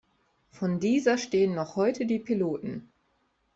Von dieser stehen noch heute die Piloten.